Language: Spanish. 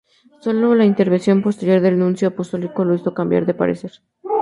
Sólo la intervención posterior del nuncio apostólico le hizo cambiar de parecer.